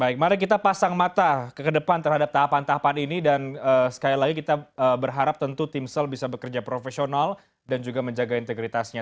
baik mari kita pasang mata ke depan terhadap tahapan tahapan ini dan sekali lagi kita berharap tentu timsel bisa bekerja profesional dan juga menjaga integritasnya